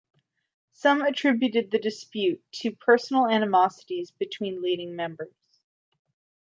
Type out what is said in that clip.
Some attributed the dispute to personal animosities between leading members.